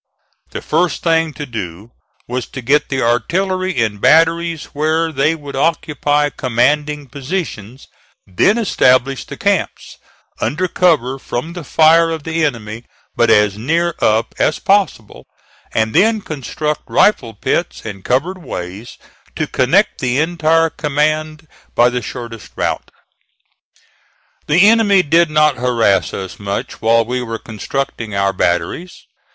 The first thing to do was to get the artillery in batteries where they would occupy commanding positions; then establish the camps, under cover from the fire of the enemy but as near up as possible; and then construct rifle pits and covered ways, to connect the entire command by the shortest route. The enemy did not harass us much while we were constructing our batteries.